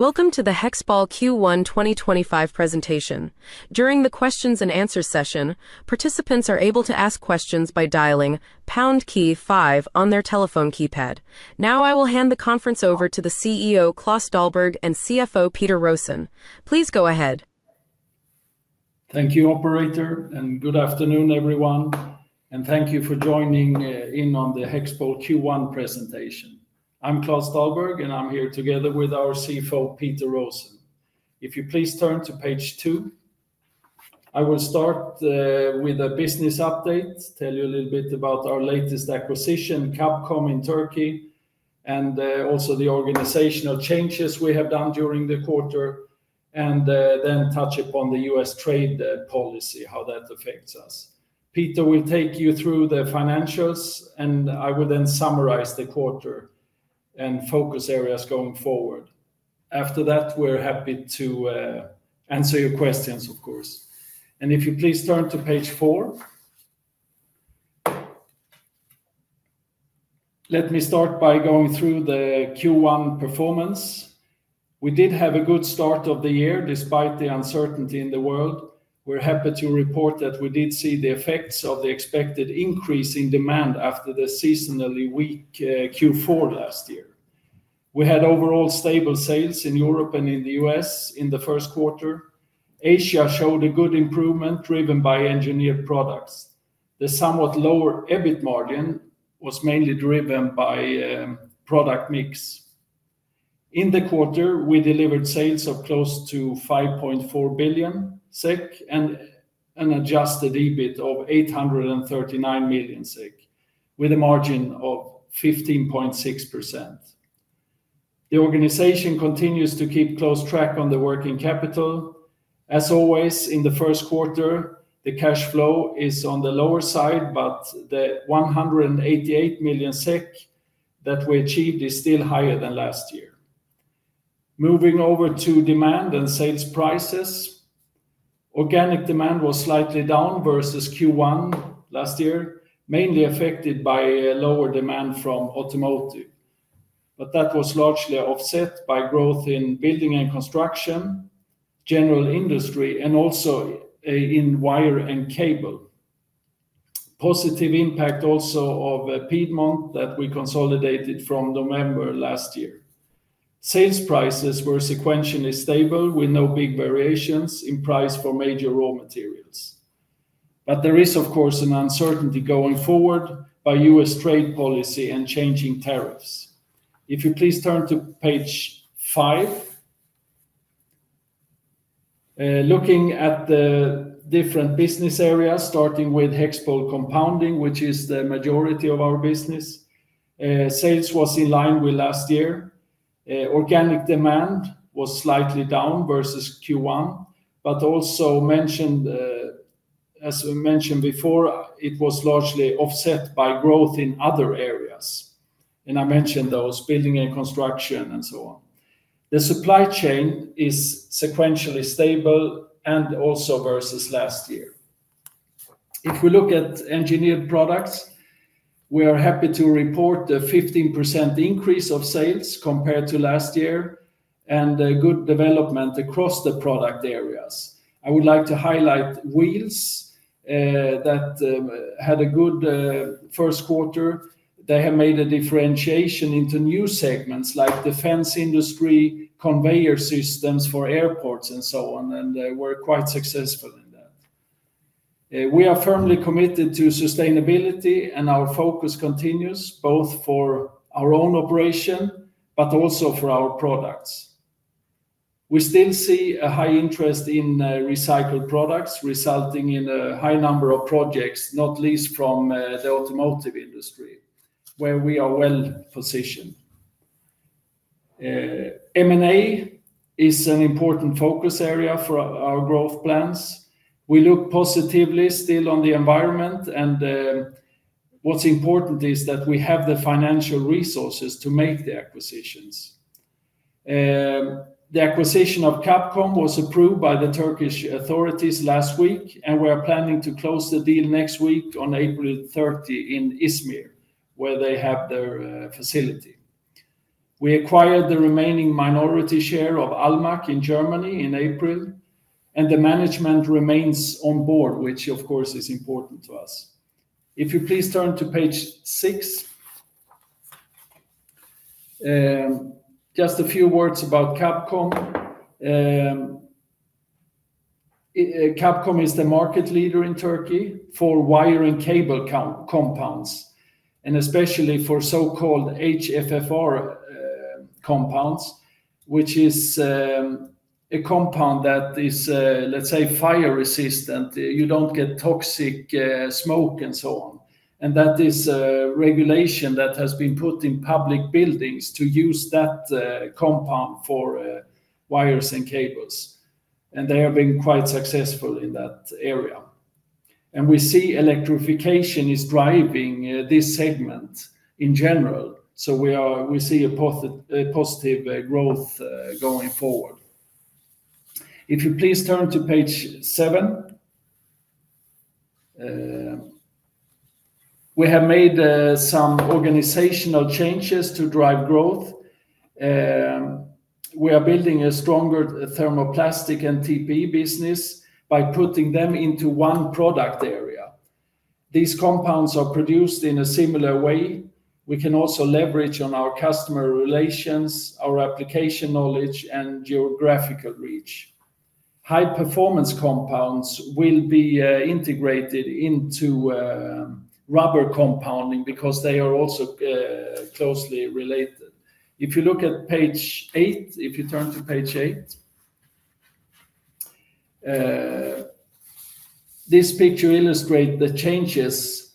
Welcome to the HEXPOL Q1 2025 presentation. During the Q&A session, participants are able to ask questions by dialing #5 on their telephone keypad. Now, I will hand the conference over to the CEO, Klas Dahlberg, and CFO, Peter Rosén. Please go ahead. Thank you, Operator, and good afternoon, everyone. Thank you for joining in on the HEXPOL Q1 presentation. I'm Klas Dahlberg, and I'm here together with our CFO, Peter Rosén. If you please turn to page two, I will start with a business update, tell you a little bit about our latest acquisition, Kabkom in Turkey, and also the organizational changes we have done during the quarter, and then touch upon the U.S. trade policy, how that affects us. Peter will take you through the financials, and I will then summarize the quarter and focus areas going forward. After that, we're happy to answer your questions, of course. If you please turn to page four. Let me start by going through the Q1 performance. We did have a good start of the year despite the uncertainty in the world. We're happy to report that we did see the effects of the expected increase in demand after the seasonally weak Q4 last year. We had overall stable sales in Europe and in the U.S. in the first quarter. Asia showed a good improvement driven by Engineered Products. The somewhat lower EBIT margin was mainly driven by product mix. In the quarter, we delivered sales of close to 5.4 billion SEK and an adjusted EBIT of 839 million SEK, with a margin of 15.6%. The organization continues to keep close track on the working capital. As always, in the first quarter, the cash flow is on the lower side, but the 188 million SEK that we achieved is still higher than last year. Moving over to demand and sales prices, organic demand was slightly down versus Q1 last year, mainly affected by lower demand from automotive, but that was largely offset by growth in building and construction, general industry, and also in wire and cable. Positive impact also of Piedmont that we consolidated from November last year. Sales prices were sequentially stable with no big variations in price for major raw materials. There is, of course, an uncertainty going forward by U.S. trade policy and changing tariffs. If you please turn to page five. Looking at the different business areas, starting with HEXPOL Compounding, which is the majority of our business, sales was in line with last year. Organic demand was slightly down versus Q1, as we mentioned before, it was largely offset by growth in other areas. I mentioned those building and construction and so on. The supply chain is sequentially stable and also versus last year. If we look at engineered products, we are happy to report a 15% increase of sales compared to last year and a good development across the product areas. I would like to highlight wheels that had a good first quarter. They have made a differentiation into new segments like defense industry, conveyor systems for airports, and so on, and they were quite successful in that. We are firmly committed to sustainability, and our focus continues both for our own operation but also for our products. We still see a high interest in recycled products, resulting in a high number of projects, not least from the automotive industry, where we are well positioned. M&A is an important focus area for our growth plans. We look positively still on the environment, and what's important is that we have the financial resources to make the acquisitions. The acquisition of Kabkom was approved by the Turkish authorities last week, and we are planning to close the deal next week on April 30 in Izmir, where they have their facility. We acquired the remaining minority share of Almaak in Germany in April, and the management remains on board, which, of course, is important to us. If you please turn to page six, just a few words about Kabkom. Kabkom is the market leader in Turkey for wire and cable compounds, and especially for so-called HFFR compounds, which is a compound that is, let's say, fire resistant. You don't get toxic smoke and so on. That is a regulation that has been put in public buildings to use that compound for wires and cables. They have been quite successful in that area. We see electrification is driving this segment in general, so we see a positive growth going forward. If you please turn to page seven. We have made some organizational changes to drive growth. We are building a stronger thermoplastic and TPE business by putting them into one product area. These compounds are produced in a similar way. We can also leverage on our customer relations, our application knowledge, and geographical reach. High-performance compounds will be integrated into rubber compounding because they are also closely related. If you look at page eight, if you turn to page eight, this picture illustrates the changes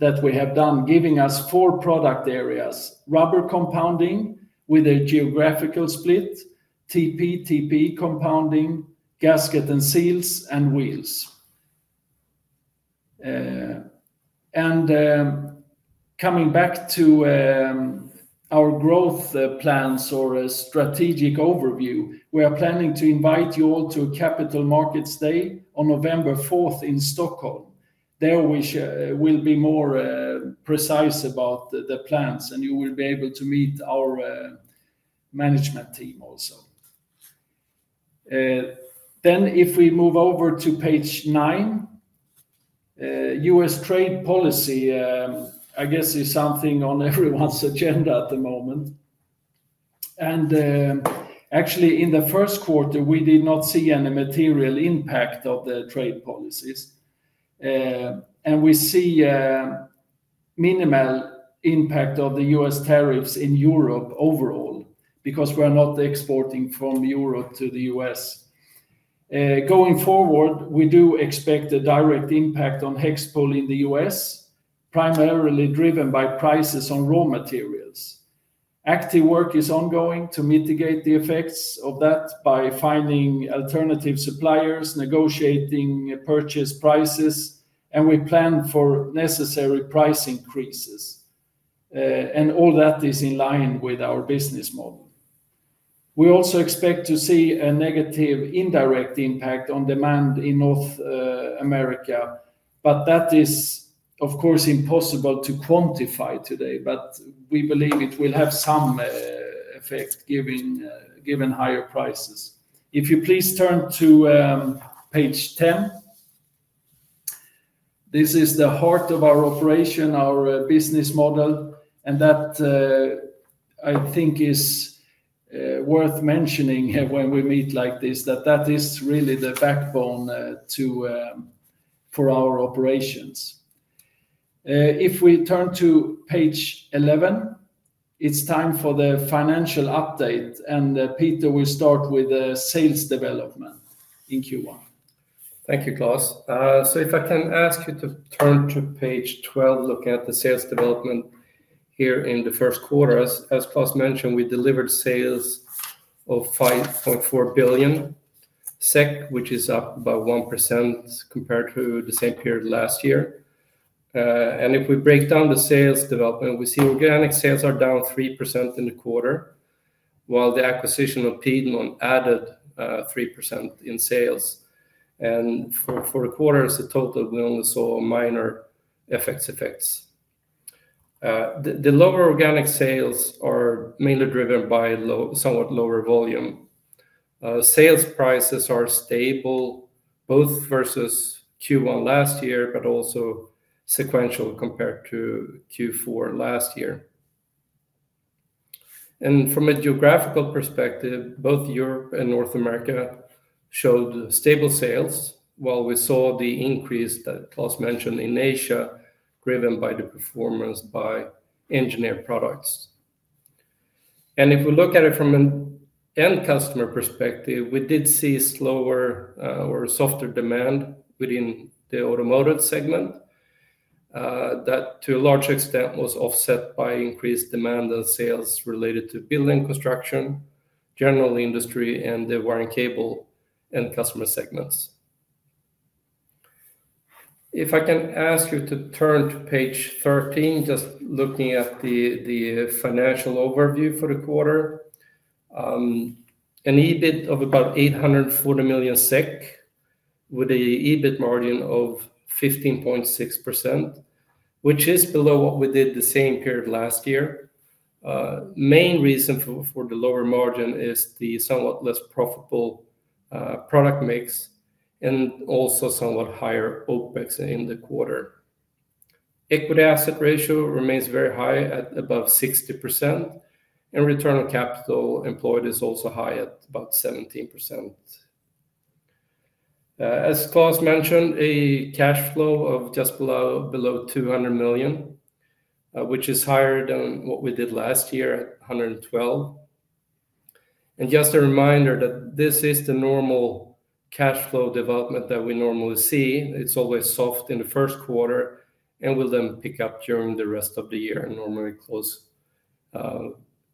that we have done, giving us four product areas: rubber compounding with a geographical split, TP/TPE compounding, gaskets and seals, and wheels. Coming back to our growth plans or a strategic overview, we are planning to invite you all to a Capital Markets Day on November 4 in Stockholm. There we will be more precise about the plans, and you will be able to meet our management team also. If we move over to page nine, U.S. trade policy, I guess, is something on everyone's agenda at the moment. Actually, in the first quarter, we did not see any material impact of the trade policies. We see minimal impact of the U.S. tariffs in Europe overall because we are not exporting from Europe to the U.S. Going forward, we do expect a direct impact on HEXPOL in the U.S., primarily driven by prices on raw materials. Active work is ongoing to mitigate the effects of that by finding alternative suppliers, negotiating purchase prices, and we plan for necessary price increases. All that is in line with our business model. We also expect to see a negative indirect impact on demand in North America, but that is, of course, impossible to quantify today, but we believe it will have some effect given higher prices. If you please turn to page 10, this is the heart of our operation, our business model, and that I think is worth mentioning when we meet like this, that that is really the backbone for our operations. If we turn to page 11, it's time for the financial update, and Peter will start with sales development in Q1. Thank you, Klas. If I can ask you to turn to page 12, looking at the sales development here in the first quarter. As Klas mentioned, we delivered sales of 5.4 billion SEK, which is up by 1% compared to the same period last year. If we break down the sales development, we see organic sales are down 3% in the quarter, while the acquisition of Piedmont added 3% in sales. For the quarter, in total we only saw minor FX effects. The lower organic sales are mainly driven by somewhat lower volume. Sales prices are stable, both versus Q1 last year, but also sequential compared to Q4 last year. From a geographical perspective, both Europe and North America showed stable sales, while we saw the increase that Klas mentioned in Asia driven by the performance by engineered products. If we look at it from an end customer perspective, we did see slower or softer demand within the automotive segment that, to a large extent, was offset by increased demand and sales related to building, construction, general industry, and the wire and cable end customer segments. If I can ask you to turn to page 13, just looking at the financial overview for the quarter, an EBIT of about 840 million SEK, with an EBIT margin of 15.6%, which is below what we did the same period last year. The main reason for the lower margin is the somewhat less profitable product mix and also somewhat higher OPEX in the quarter. Equity asset ratio remains very high at above 60%, and return on capital employed is also high at about 17%. As Klas mentioned, a cash flow of just below 200 million, which is higher than what we did last year at 112 million. Just a reminder that this is the normal cash flow development that we normally see. It's always soft in the first quarter and will then pick up during the rest of the year and normally close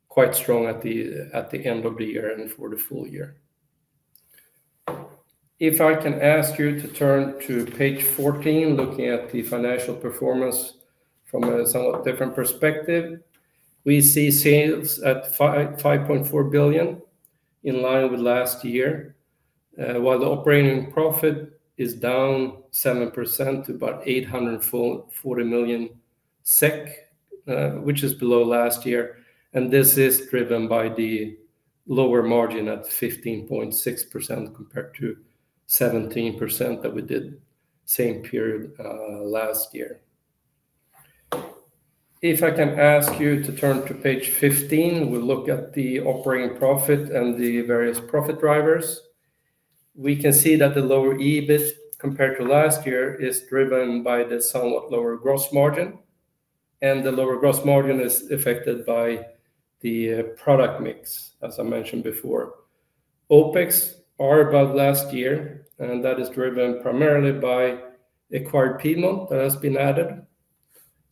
quite strong at the end of the year and for the full year. If I can ask you to turn to page 14, looking at the financial performance from a somewhat different perspective, we see sales at 5.4 billion in line with last year, while the operating profit is down 7% to about 840 million SEK, which is below last year. This is driven by the lower margin at 15.6% compared to 17% that we did the same period last year. If I can ask you to turn to page 15, we'll look at the operating profit and the various profit drivers. We can see that the lower EBIT compared to last year is driven by the somewhat lower gross margin, and the lower gross margin is affected by the product mix, as I mentioned before. OPEX are above last year, and that is driven primarily by acquired Piedmont that has been added,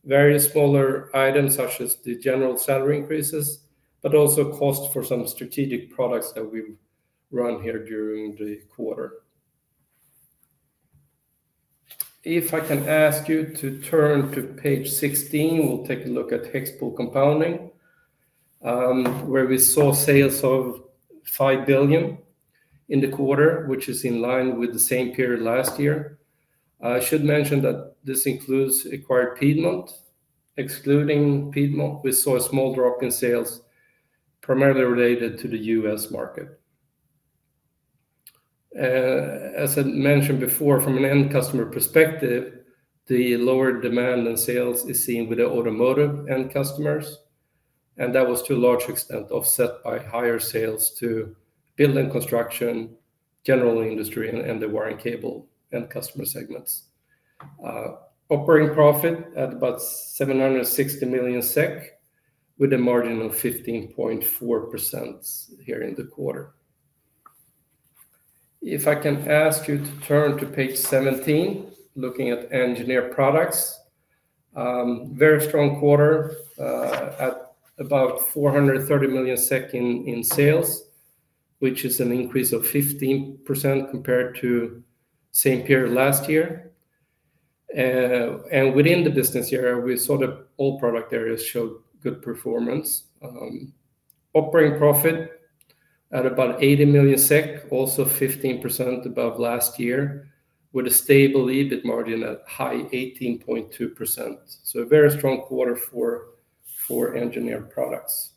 various smaller items such as the general salary increases, but also cost for some strategic products that we've run here during the quarter. If I can ask you to turn to page 16, we'll take a look at HEXPOL Compounding, where we saw sales of 5 billion in the quarter, which is in line with the same period last year. I should mention that this includes acquired Piedmont. Excluding Piedmont, we saw a small drop in sales, primarily related to the U.S. market. As I mentioned before, from an end customer perspective, the lower demand and sales is seen with the automotive end customers, and that was to a large extent offset by higher sales to building construction, general industry, and the wire and cable end customer segments. Operating profit at about 760 million SEK, with a margin of 15.4% here in the quarter. If I can ask you to turn to page 17, looking at engineered products, very strong quarter at about 430 million SEK in sales, which is an increase of 15% compared to the same period last year. Within the business area, we saw that all product areas showed good performance. Operating profit at about 80 million SEK, also 15% above last year, with a stable EBIT margin at high 18.2%. A very strong quarter for engineered products.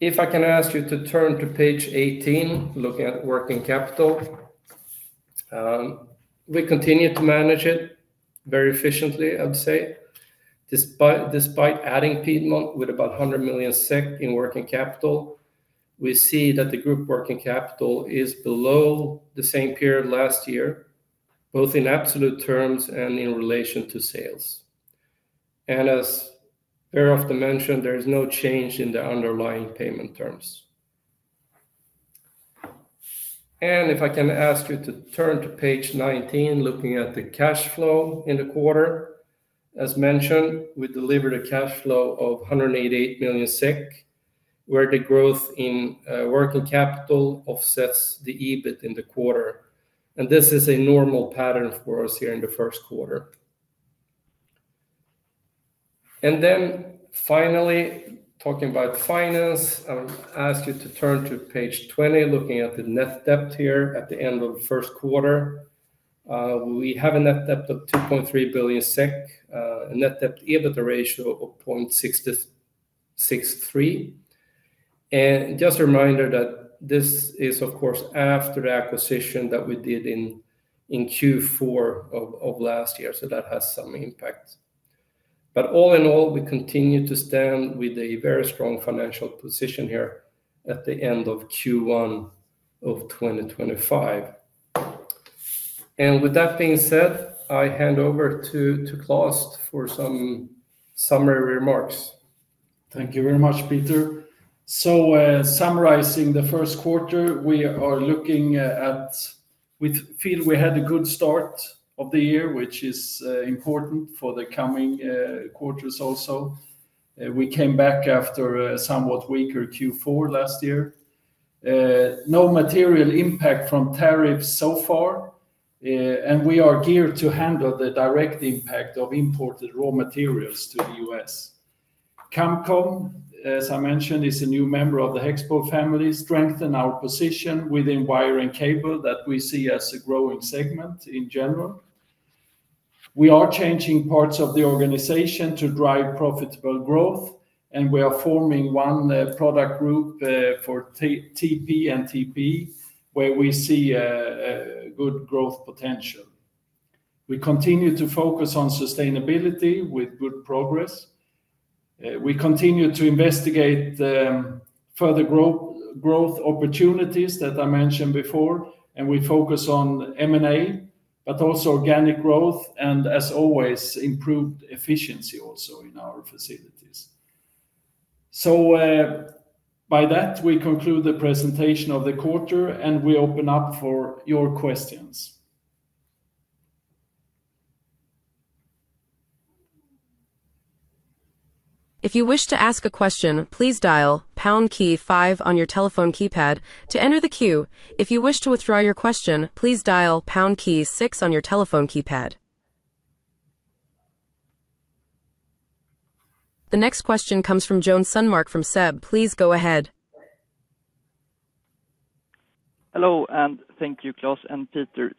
If I can ask you to turn to page 18, looking at working capital, we continue to manage it very efficiently, I would say. Despite adding Piedmont with about 100 million SEK in working capital, we see that the group working capital is below the same period last year, both in absolute terms and in relation to sales. As very often mentioned, there is no change in the underlying payment terms. If I can ask you to turn to page 19, looking at the cash flow in the quarter, as mentioned, we delivered a cash flow of 188 million SEK, where the growth in working capital offsets the EBIT in the quarter. This is a normal pattern for us here in the first quarter. Finally, talking about finance, I will ask you to turn to page 20, looking at the net debt here at the end of the first quarter. We have a net debt of 2.3 billion SEK, a net debt/EBIT ratio of 0.63. Just a reminder that this is, of course, after the acquisition that we did in Q4 of last year, so that has some impact. All in all, we continue to stand with a very strong financial position here at the end of Q1 of 2025. With that being said, I hand over to Klas for some summary remarks. Thank you very much, Peter. Summarizing the first quarter, we are looking at, we feel we had a good start of the year, which is important for the coming quarters also. We came back after a somewhat weaker Q4 last year. No material impact from tariffs so far, and we are geared to handle the direct impact of imported raw materials to the U.S. Kabkom, as I mentioned, is a new member of the HEXPOL family, strengthened our position within wire and cable that we see as a growing segment in general. We are changing parts of the organization to drive profitable growth, and we are forming one product group for TP and TPE, where we see good growth potential. We continue to focus on sustainability with good progress. We continue to investigate further growth opportunities that I mentioned before, and we focus on M&A, but also organic growth and, as always, improved efficiency also in our facilities. By that, we conclude the presentation of the quarter, and we open up for your questions. If you wish to ask a question, please dial pound key five on your telephone keypad to enter the queue. If you wish to withdraw your question, please dial pound key six on your telephone keypad. The next question comes from Jonas Sunmark from SEB. Please go ahead. Hello, and thank you, Klas and Peter.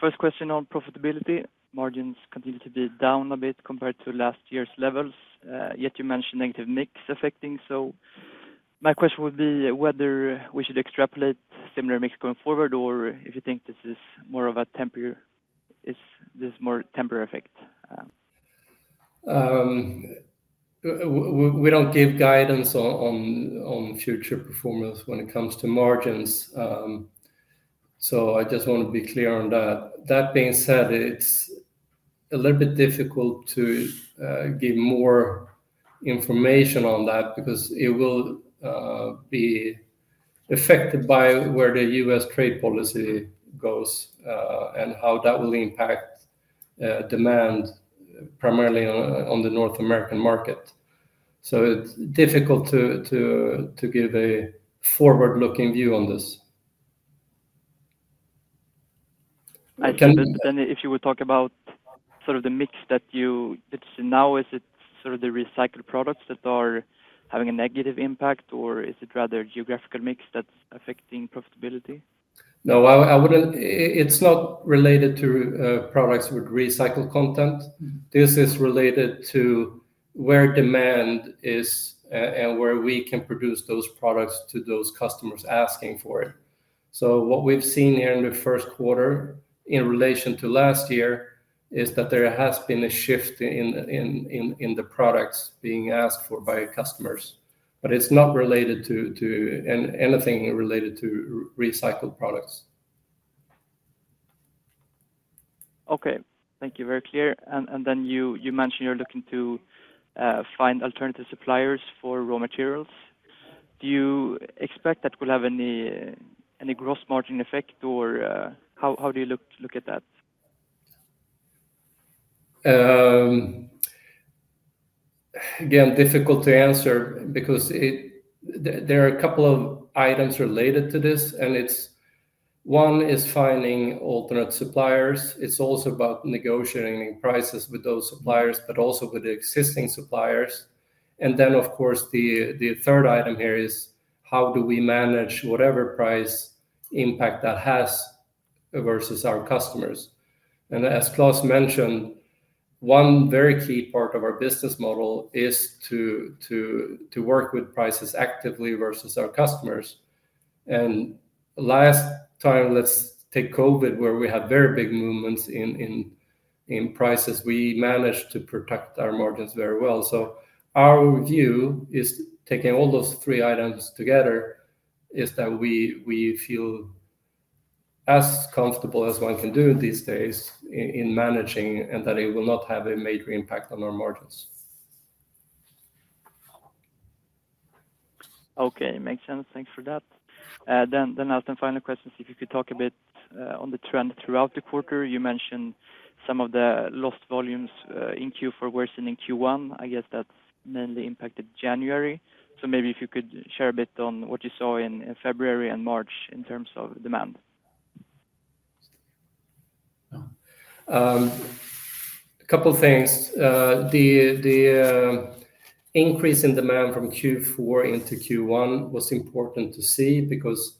First question on profitability. Margins continue to be down a bit compared to last year's levels, yet you mentioned negative mix affecting. My question would be whether we should extrapolate similar mix going forward, or if you think this is more of a temporary effect. We don't give guidance on future performance when it comes to margins, so I just want to be clear on that. That being said, it's a little bit difficult to give more information on that because it will be affected by where the U.S. trade policy goes and how that will impact demand, primarily on the North American market. It is difficult to give a forward-looking view on this. If you would talk about sort of the mix that you see now, is it sort of the recycled products that are having a negative impact, or is it rather geographical mix that's affecting profitability? No, it's not related to products with recycled content. This is related to where demand is and where we can produce those products to those customers asking for it. What we've seen here in the first quarter in relation to last year is that there has been a shift in the products being asked for by customers, but it's not related to anything related to recycled products. Okay, thank you. Very clear. You mentioned you're looking to find alternative suppliers for raw materials. Do you expect that will have any gross margin effect, or how do you look at that? Again, difficult to answer because there are a couple of items related to this, and one is finding alternate suppliers. It is also about negotiating prices with those suppliers, but also with the existing suppliers. Of course, the third item here is how do we manage whatever price impact that has versus our customers. As Klas mentioned, one very key part of our business model is to work with prices actively versus our customers. Last time, let's take COVID, where we had very big movements in prices. We managed to protect our margins very well. Our view is taking all those three items together is that we feel as comfortable as one can do these days in managing and that it will not have a major impact on our margins. Okay, makes sense. Thanks for that. I will have some final questions. If you could talk a bit on the trend throughout the quarter. You mentioned some of the lost volumes in Q4 worsened in Q1. I guess that mainly impacted January. Maybe if you could share a bit on what you saw in February and March in terms of demand. A couple of things. The increase in demand from Q4 into Q1 was important to see because,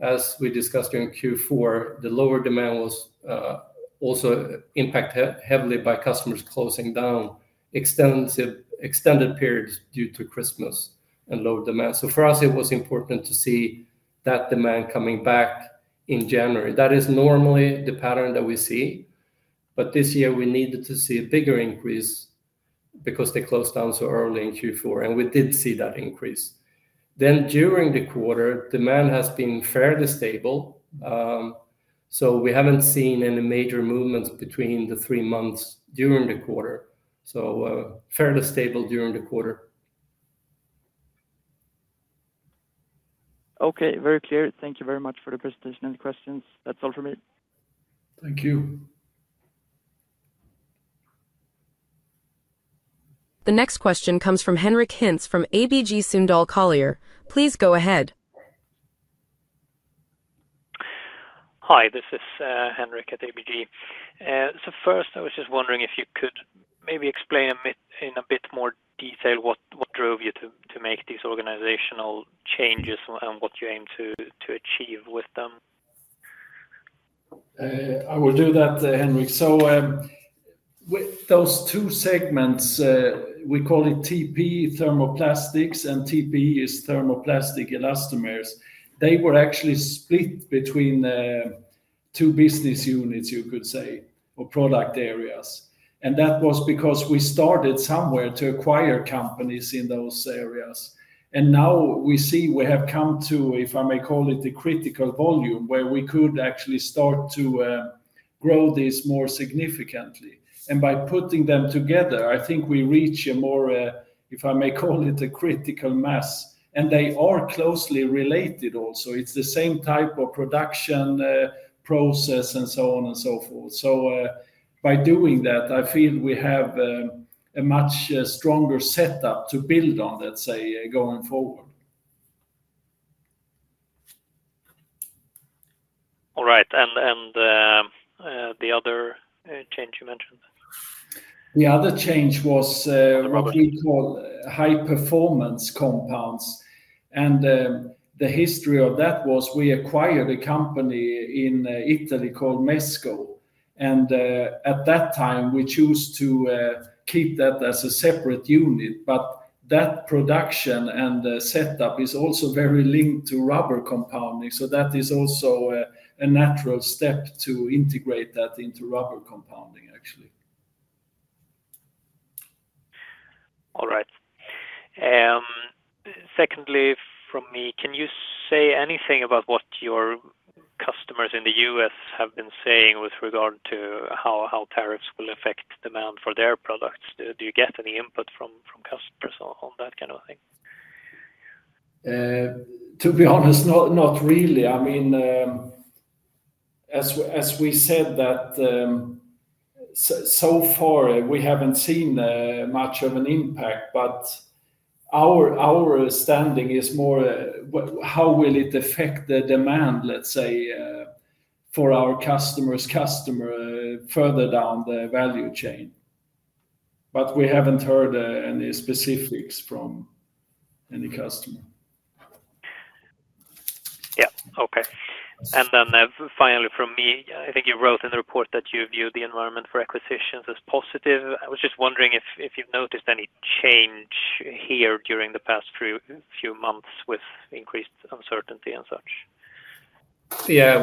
as we discussed during Q4, the lower demand was also impacted heavily by customers closing down extended periods due to Christmas and low demand. For us, it was important to see that demand coming back in January. That is normally the pattern that we see, but this year we needed to see a bigger increase because they closed down so early in Q4, and we did see that increase. During the quarter, demand has been fairly stable, so we have not seen any major movements between the three months during the quarter. Fairly stable during the quarter. Okay, very clear. Thank you very much for the presentation and the questions. That's all for me. Thank you. The next question comes from Henrik Hintze from ABG Sundal Collier. Please go ahead. Hi, this is Henrik at ABG. I was just wondering if you could maybe explain in a bit more detail what drove you to make these organizational changes and what you aim to achieve with them. I will do that, Henrik. With those two segments, we call it TPE, Thermoplastics, and TPE is Thermoplastic Elastomers. They were actually split between two business units, you could say, or product areas. That was because we started somewhere to acquire companies in those areas. Now we see we have come to, if I may call it, the critical volume where we could actually start to grow these more significantly. By putting them together, I think we reach a more, if I may call it, a critical mass. They are closely related also. It is the same type of production process and so on and so forth. By doing that, I feel we have a much stronger setup to build on, let's say, going forward. All right. The other change you mentioned? The other change was what we call high-performance compounds. The history of that was we acquired a company in Italy called Mesgo. At that time, we chose to keep that as a separate unit, but that production and setup is also very linked to rubber compounding. That is also a natural step to integrate that into rubber compounding, actually. All right. Secondly, from me, can you say anything about what your customers in the U.S. have been saying with regard to how tariffs will affect demand for their products? Do you get any input from customers on that kind of thing? To be honest, not really. I mean, as we said, that so far, we haven't seen much of an impact. Our standing is more how will it affect the demand, let's say, for our customer's customer further down the value chain. We haven't heard any specifics from any customer. Yeah. Okay. Finally, from me, I think you wrote in the report that you view the environment for acquisitions as positive. I was just wondering if you've noticed any change here during the past few months with increased uncertainty and such. Yeah.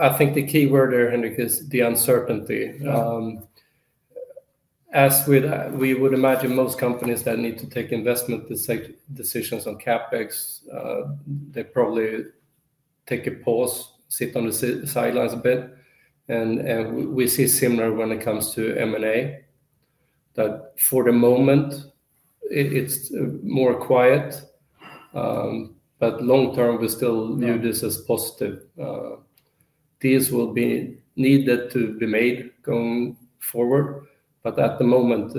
I think the key word there, Henrik, is the uncertainty. As we would imagine, most companies that need to take investment decisions on CapEx, they probably take a pause, sit on the sidelines a bit. We see similar when it comes to M&A. For the moment, it's more quiet, but long term, we still view this as positive. These will be needed to be made going forward, but at the moment,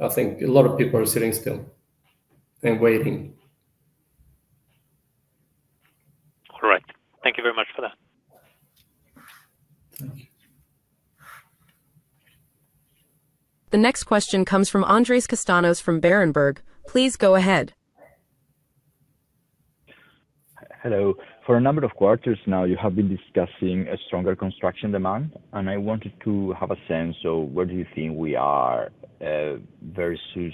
I think a lot of people are sitting still and waiting. All right. Thank you very much for that. Thank you. The next question comes from Andrés Castanos from Berenberg. Please go ahead. Hello. For a number of quarters now, you have been discussing a stronger construction demand, and I wanted to have a sense of where do you think we are versus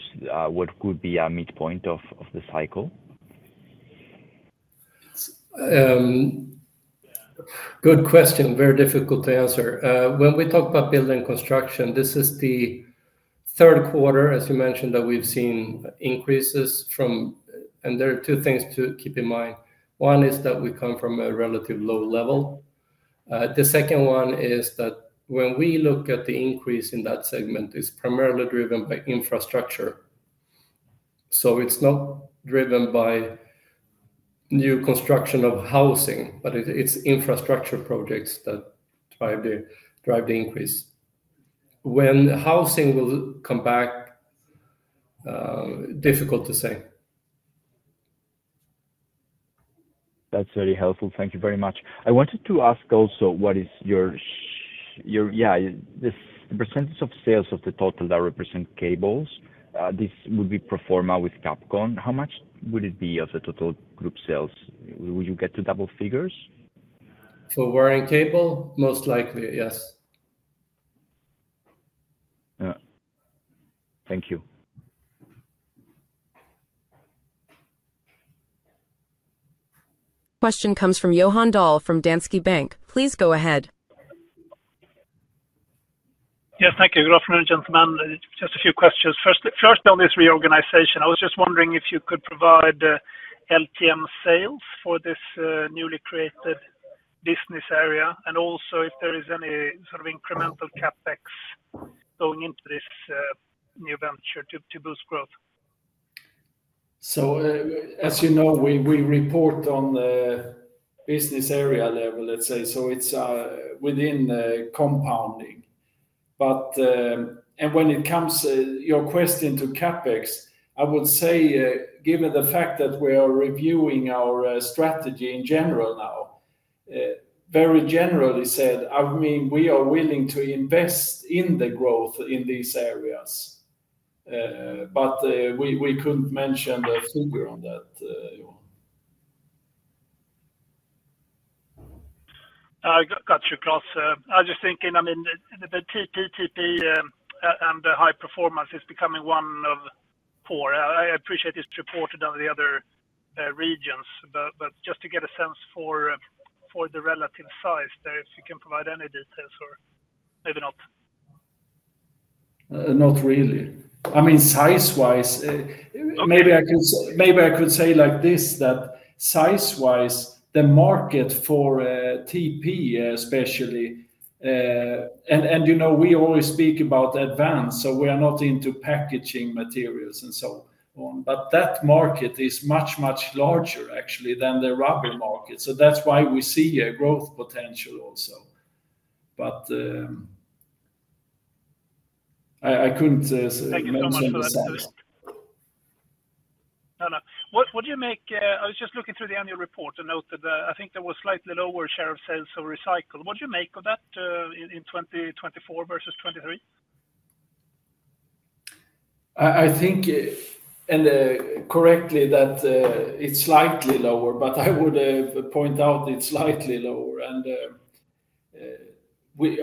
what could be a midpoint of the cycle? Good question. Very difficult to answer. When we talk about building construction, this is the third quarter, as you mentioned, that we've seen increases from, and there are two things to keep in mind. One is that we come from a relatively low level. The second one is that when we look at the increase in that segment, it's primarily driven by infrastructure. It is not driven by new construction of housing, but it's infrastructure projects that drive the increase. When housing will come back, difficult to say. That's very helpful. Thank you very much. I wanted to ask also, what is your, yeah, the percentage of sales of the total that represent cables? This would be proforma with Kabkom. How much would it be of the total group sales? Will you get to double figures? For wire and cable, most likely, yes. Thank you. Question comes from Johan Dahl from Danske Bank. Please go ahead. Yes, thank you. Good afternoon, gentlemen. Just a few questions. First, on this reorganization, I was just wondering if you could provide LTM sales for this newly created business area and also if there is any sort of incremental CapEx going into this new venture to boost growth. As you know, we report on the business area level, let's say, so it's within compounding. When it comes to CapEx, I would say, given the fact that we are reviewing our strategy in general now, very generally said, I mean, we are willing to invest in the growth in these areas, but we couldn't mention the figure on that. Got you, Klas. I was just thinking, I mean, the TPE, TPE, and the high performance is becoming one of. I appreciate it's reported on the other regions, but just to get a sense for the relative size there, if you can provide any details or maybe not. Not really. I mean, size-wise, maybe I could say like this, that size-wise, the market for TPE, especially, and we always speak about advanced, so we are not into packaging materials and so on, but that market is much, much larger, actually, than the rubber market. That is why we see a growth potential also. I could not mention the size. No, no. What do you make? I was just looking through the annual report and noted that I think there was a slightly lower share of sales of recycled. What do you make of that in 2024 versus 2023? I think, correctly, that it's slightly lower, but I would point out it's slightly lower.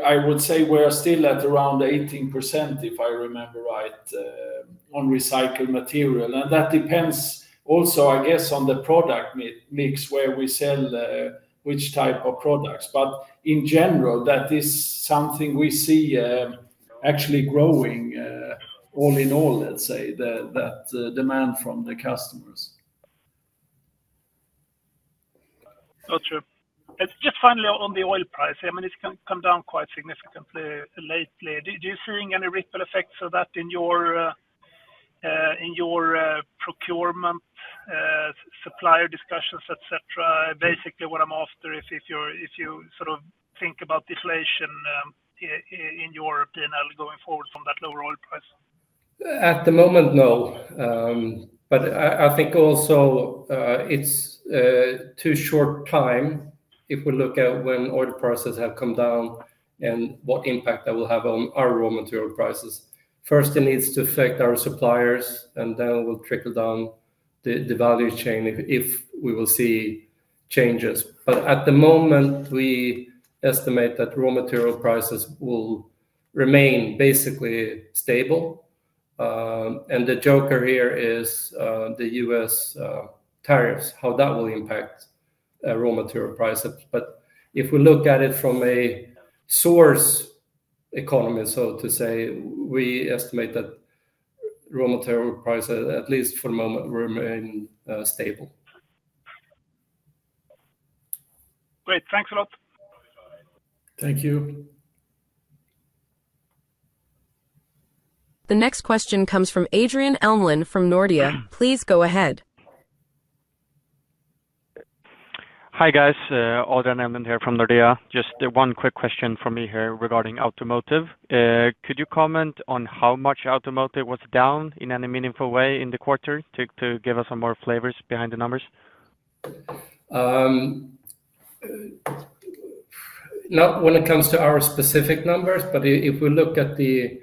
I would say we're still at around 18%, if I remember right, on recycled material. That depends also, I guess, on the product mix where we sell which type of products. In general, that is something we see actually growing all in all, let's say, that demand from the customers. Not sure. Just finally on the oil price, I mean, it's come down quite significantly lately. Do you see any ripple effects of that in your procurement, supplier discussions, etc.? Basically, what I'm after is if you sort of think about deflation in your P&L going forward from that lower oil price. At the moment, no. I think also it's too short time if we look at when oil prices have come down and what impact that will have on our raw material prices. First, it needs to affect our suppliers, and then it will trickle down the value chain if we will see changes. At the moment, we estimate that raw material prices will remain basically stable. The joker here is the U.S. tariffs, how that will impact raw material prices. If we look at it from a source economy, so to say, we estimate that raw material prices, at least for the moment, remain stable. Great. Thanks a lot. Thank you. The next question comes from Adrian Elmlund from Nordea. Please go ahead. Hi guys. Adrian Elmlund here from Nordea. Just one quick question from me here regarding automotive. Could you comment on how much automotive was down in any meaningful way in the quarter to give us some more flavors behind the numbers? Not when it comes to our specific numbers, but if we look at the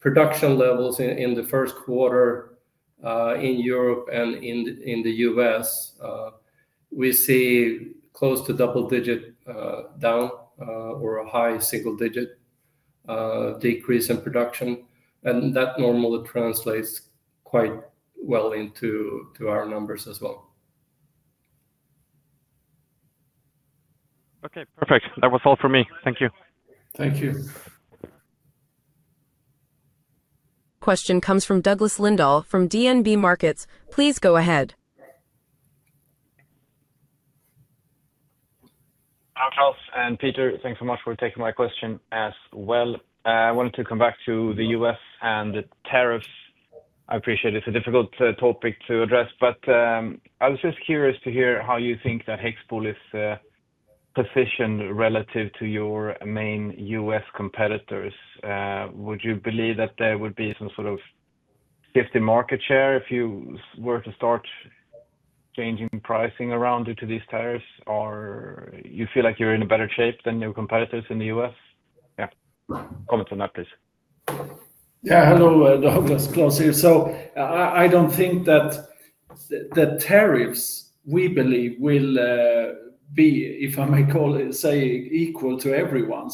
production levels in the first quarter in Europe and in the U.S., we see close to double-digit down or a high single-digit decrease in production. That normally translates quite well into our numbers as well. Okay. Perfect. That was all for me. Thank you. Thank you. Question comes from Douglas Lindahl from DNB Markets. Please go ahead. Hi, Klas and Peter, thanks so much for taking my question as well. I wanted to come back to the U.S. and the tariffs. I appreciate it. It's a difficult topic to address, but I was just curious to hear how you think that HEXPOL is positioned relative to your main U.S. competitors. Would you believe that there would be some sort of shift in market share if you were to start changing pricing around due to these tariffs, or you feel like you're in a better shape than your competitors in the U.S.? Yeah. Comment on that, please. Yeah. Hello, Douglas, Klas here. I do not think that the tariffs we believe will be, if I may say, equal to everyone.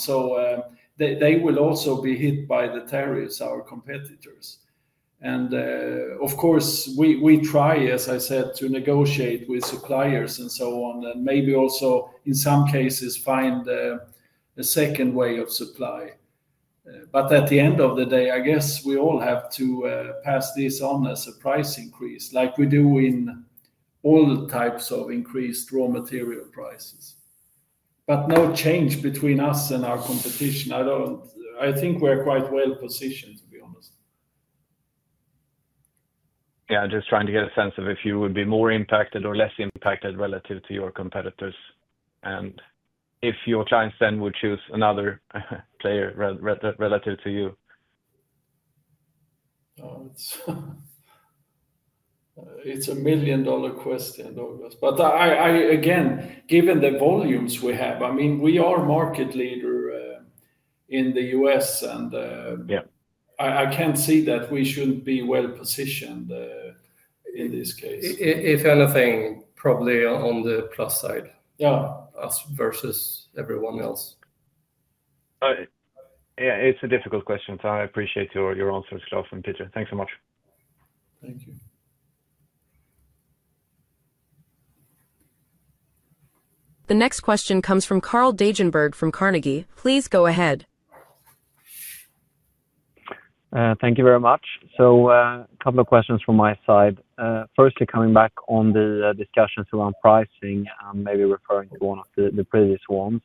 They will also be hit by the tariffs, our competitors. Of course, we try, as I said, to negotiate with suppliers and so on, and maybe also, in some cases, find a second way of supply. At the end of the day, I guess we all have to pass this on as a price increase, like we do in all types of increased raw material prices. No change between us and our competition. I think we are quite well positioned, to be honest. Yeah. Just trying to get a sense of if you would be more impacted or less impacted relative to your competitors. If your clients then would choose another player relative to you. It's a million-dollar question, Douglas. Again, given the volumes we have, I mean, we are market leaders in the U.S., and I can't see that we shouldn't be well positioned in this case. If anything, probably on the plus side. Yeah. Us versus everyone else. Yeah. It's a difficult question, so I appreciate your answers, Klas and Peter. Thanks so much. Thank you. The next question comes from Carl Dagenborg from Carnegie. Please go ahead. Thank you very much. A couple of questions from my side. Firstly, coming back on the discussions around pricing, maybe referring to one of the previous ones,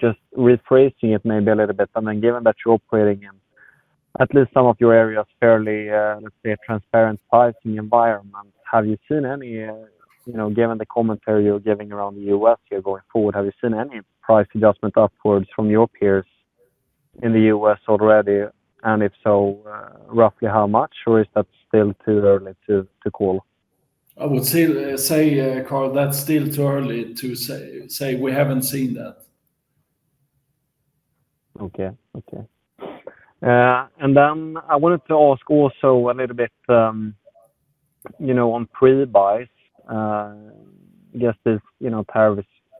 just rephrasing it maybe a little bit. I mean, given that you're operating in at least some of your areas fairly, let's say, a transparent pricing environment, have you seen any, given the commentary you're giving around the U.S. here going forward, have you seen any price adjustment upwards from your peers in the U.S. already? If so, roughly how much, or is that still too early to call? I would say, Carl, that's still too early to say we haven't seen that. Okay. Okay. I wanted to ask also a little bit on pre-buys. I guess these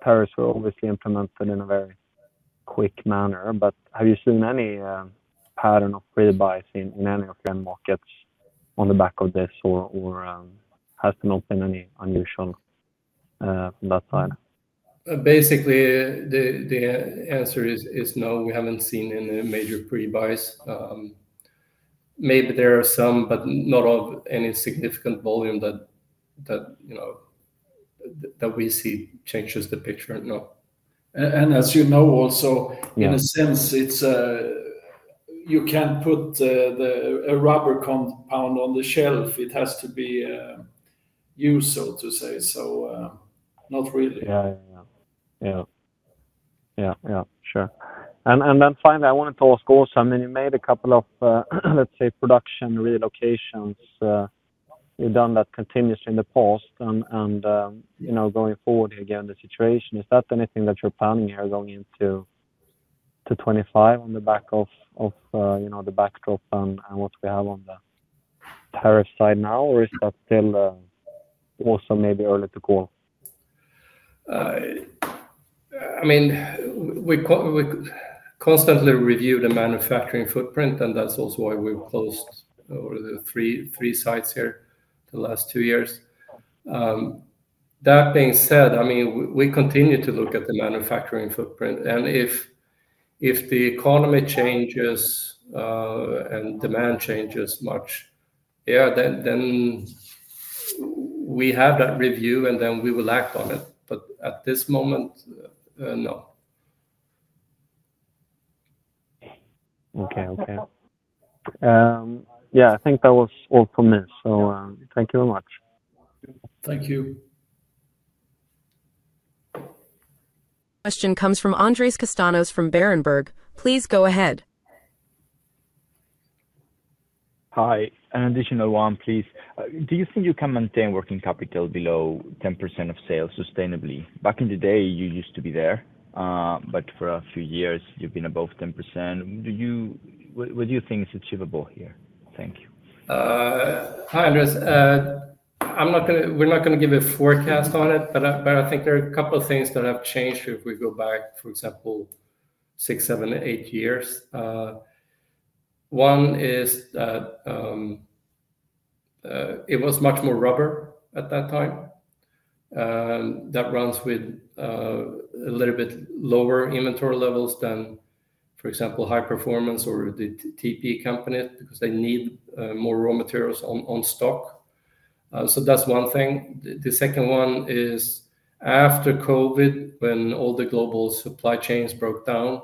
tariffs were obviously implemented in a very quick manner, but have you seen any pattern of pre-buys in any of your markets on the back of this, or has there not been any unusual from that side? Basically, the answer is no. We haven't seen any major pre-buys. Maybe there are some, but not of any significant volume that we see changes the picture. No. As you know also, in a sense, you can't put a rubber compound on the shelf. It has to be used, so to say, so not really. Yeah. Yeah. Yeah. Yeah. Sure. And then finally, I wanted to ask also, I mean, you made a couple of, let's say, production relocations. You've done that continuously in the past, and going forward, you're given the situation. Is that anything that you're planning here going into 2025 on the back of the backdrop and what we have on the tariff side now, or is that still also maybe early to call? I mean, we constantly review the manufacturing footprint, and that's also why we've closed over the three sites here the last two years. That being said, I mean, we continue to look at the manufacturing footprint. If the economy changes and demand changes much, yeah, then we have that review, and then we will act on it. At this moment, no. Okay. Okay. Yeah. I think that was all from me. Thank you very much. Thank you. Question comes from Andres Costanos from Barenberg. Please go ahead. Hi. An additional one, please. Do you think you can maintain working capital below 10% of sales sustainably? Back in the day, you used to be there, but for a few years, you've been above 10%. What do you think is achievable here? Thank you. Hi, Andres. We're not going to give a forecast on it, but I think there are a couple of things that have changed if we go back, for example, six, seven, eight years. One is that it was much more rubber at that time. That runs with a little bit lower inventory levels than, for example, high performance or the TPE companies because they need more raw materials on stock. That is one thing. The second one is after COVID, when all the global supply chains broke down,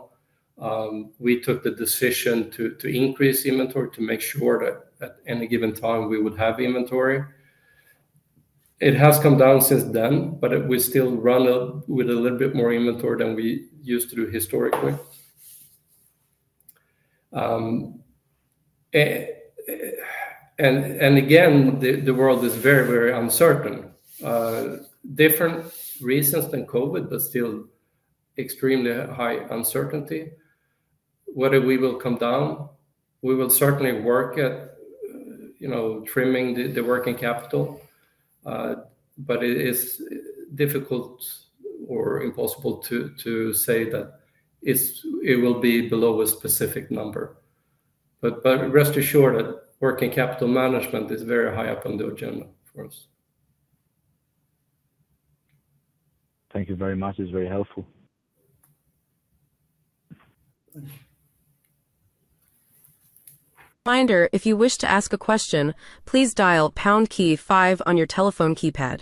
we took the decision to increase inventory to make sure that at any given time we would have inventory. It has come down since then, but we still run with a little bit more inventory than we used to do historically. Again, the world is very, very uncertain. Different reasons than COVID, but still extremely high uncertainty. Whether we will come down, we will certainly work at trimming the working capital, but it is difficult or impossible to say that it will be below a specific number. Rest assured that working capital management is very high up on the agenda for us. Thank you very much. It's very helpful. Reminder, if you wish to ask a question, please dial pound-key five on your telephone keypad.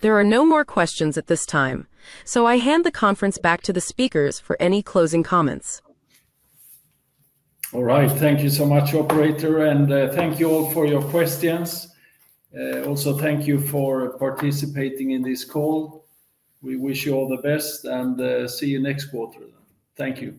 There are no more questions at this time, so I hand the conference back to the speakers for any closing comments. All right. Thank you so much, operator, and thank you all for your questions. Also, thank you for participating in this call. We wish you all the best, and see you next quarter. Thank you.